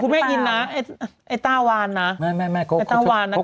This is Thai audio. เมื่อคืนดูคุณแม่กินนะไอ้ต้าวานนะ